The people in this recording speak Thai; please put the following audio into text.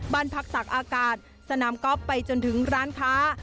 บ้านพักตักอากาศสนามกอล์ฟไปจนถึงร้านค้า